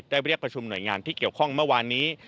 เรียกประชุมหน่วยงานที่เกี่ยวข้องเมื่อวานนี้